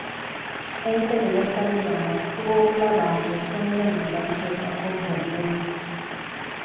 Ssentebe yasabye bano okufuba okulaba nti essomero lino baliteekako bbugwe.